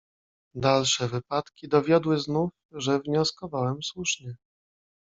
"Dalsze wypadki dowiodły znów, że wnioskowałem słusznie."